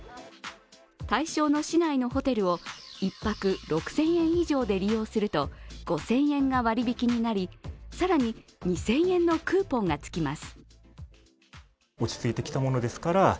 対象の市内のホテルを１泊６０００円以上で利用すると５０００円が割引きになり更に２０００円のクーポンが付きます。